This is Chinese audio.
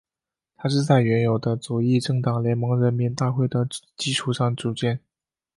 它是在原有的左翼政党联盟人民大会的基础上组建。